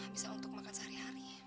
bisa untuk makan sehari hari